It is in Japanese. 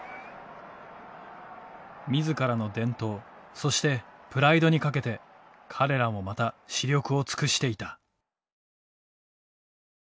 自らの伝統そしてプライドにかけて彼らもまた死力を尽くしていた。